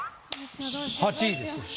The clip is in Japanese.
８位ですよ。